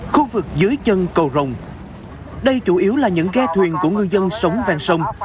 khu vực dưới chân cầu rồng đây chủ yếu là những ghe thuyền của ngư dân sống ven sông